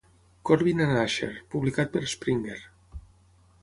Korbin and Asher, publicat per Springer.